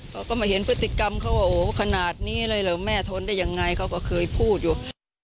เขาก็มาเห็นพฤติกรรมเขาว่าโอ้โหขนาดนี้เลยเหรอแม่ทนได้ยังไงเขาก็เคยพูดอยู่